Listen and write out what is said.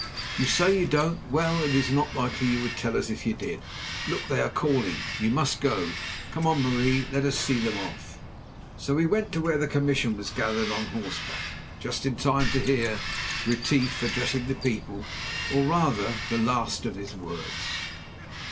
"You say you don't; well, it is not likely you would tell us if you did. Look! They are calling, you must go. Come on, Marie, let us see them off." So we went to where the commission was gathered on horseback, just in time to hear Retief addressing the people, or, rather, the last of his words.